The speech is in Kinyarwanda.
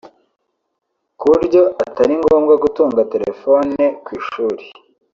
ku buryo Atari ngombwa gutunga telephone ku ishuri